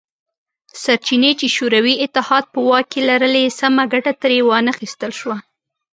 سرچینې چې شوروي اتحاد په واک کې لرلې سمه ګټه ترې وانه خیستل شوه